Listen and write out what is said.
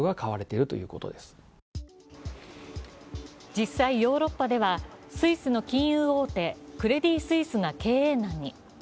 実際、ヨーロッパではスイスの金融大手、クレディ・スイスが経営難に。